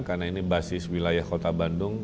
karena ini basis wilayah kota bandung